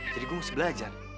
jadi gue harus belajar